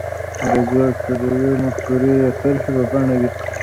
دا ځواک به د يوې مفکورې يا طرحې په بڼه وي.